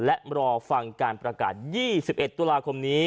และรอฟังการประกาศ๒๑ตุลาคมนี้